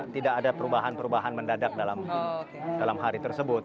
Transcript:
tidak ada perubahan perubahan mendadak dalam hari tersebut